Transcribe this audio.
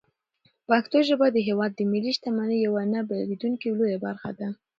پښتو ژبه د هېواد د ملي شتمنۍ یوه نه بېلېدونکې او لویه برخه ده.